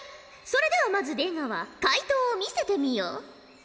それではまず出川解答を見せてみよ。